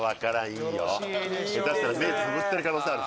いいよ目つぶってる可能性ある。